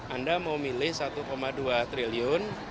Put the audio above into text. anda mau milih satu dua triliun